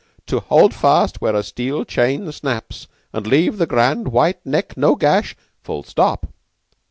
To hold fast where a steel chain snaps And leave the grand white neck no gash. (Full stop.)"